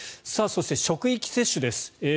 そして、職域接種です。